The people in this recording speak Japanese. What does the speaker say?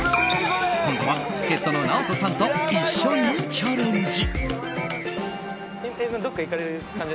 今度は助っ人のＮＡＯＴＯさんと一緒にチャレンジ。